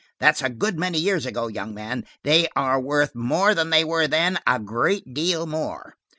That's a good many years ago, young man. They are worth more than they were then–a great deal more."